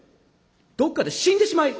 どっかで死んでしまい！